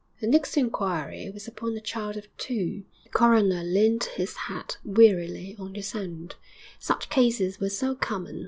The next inquiry was upon a child of two. The coroner leant his head wearily on his hand, such cases were so common!